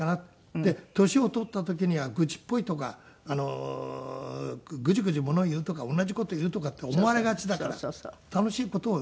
で年を取った時には愚痴っぽいとかぐちぐちものを言うとか同じ事を言うとかって思われがちだから楽しい事を言う。